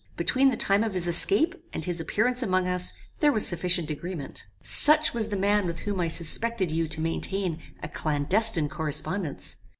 Between the time of his escape, and his appearance among us, there was a sufficient agreement. Such was the man with whom I suspected you to maintain a clandestine correspondence.